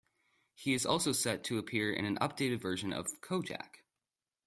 He is also set to appear in an updated version of "Kojak".